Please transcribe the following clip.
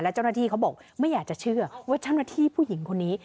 เจ้าหน้าที่เขาบอกไม่อยากจะเชื่อว่าเจ้าหน้าที่ผู้หญิงคนนี้